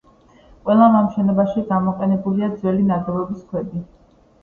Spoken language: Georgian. ყველა ამ შენობაში გამოყენებულია ძველი ნაგებობის ქვები.